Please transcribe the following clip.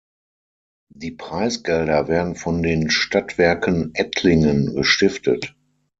Die Preisgelder werden von den Stadtwerken Ettlingen gestiftet.